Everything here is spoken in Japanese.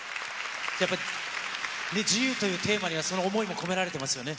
自由というテーマには、その思いも込められていますよね？